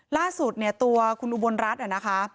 ล่าสุดตัวคุณอุบรรณรัฐอ่ะนะคะ